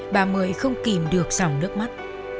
bà mười không kìm được sòng nước mắt